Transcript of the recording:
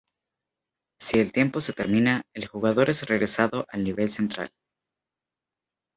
Si el tiempo se termina, el jugador es regresado al nivel central.